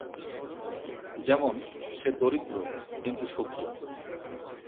যেমন- সে দরিদ্র, কিন্তু সুখী।